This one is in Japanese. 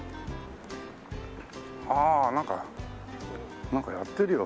ああなんかなんかやってるよ。